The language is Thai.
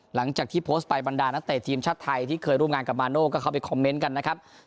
หลังจากที่โพสต์ไปบรรดานักเตะทีมชาติไทยที่เคยร่วมงานกับมาโน่ก็เข้าไปคอมเมนต์กันนะครับ